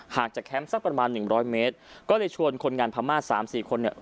จากแคมป์สักประมาณหนึ่งร้อยเมตรก็เลยชวนคนงานพม่าสามสี่คนเนี่ย